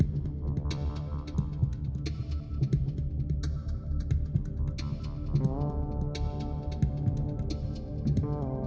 มูไนท์